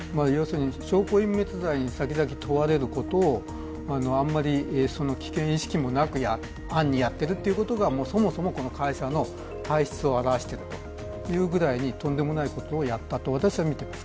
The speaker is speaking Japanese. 証拠隠滅罪に先々問われることをあまり危険意識もなく暗にやっているということがそもそものこの会社の体質を現していると、とんでもないことをやったと私は見ています。